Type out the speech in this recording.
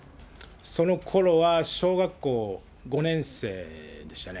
そのころは小学校５年生でしたね。